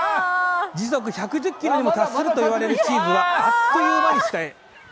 時速１１０ｋｍにも達すると言われるチーズはあっという間に下へ。